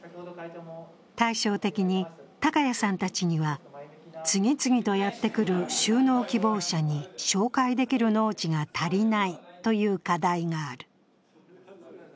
対照的に、高谷さんたちには次々とやってくる就農希望者に紹介できる農地が足りないという課題がある。